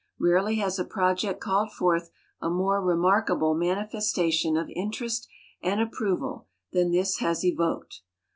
Rarely has a project called forth a more remarkable manifestation of in terest and approval than this has evoked.